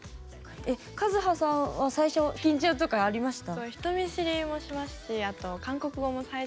ＫＡＺＵＨＡさんは最初緊張とかありました？